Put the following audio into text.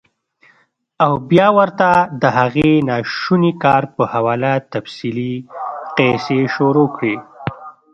او بيا ورته د هغې ناشوني کار پۀ حواله تفصيلي قيصې شورو کړي -